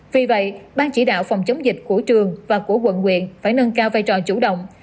vì vậy ban chỉ đạo phòng chống dịch của trường và của quận quyện phải nâng cao vai trò chủ động